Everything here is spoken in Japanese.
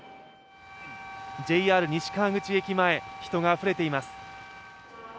ＪＲ西川口駅前人があふれています。